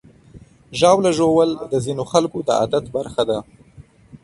ژاوله ژوول د ځینو خلکو د عادت برخه ده.